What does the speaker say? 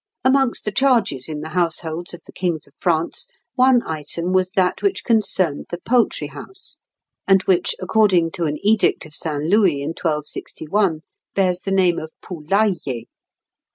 Amongst the charges in the households of the kings of France one item was that which concerned the poultry house, and which, according to an edict of St. Louis in 1261, bears the name of poulaillier.